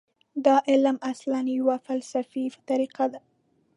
دا علم اصلاً یوه فلسفي طریقه ده.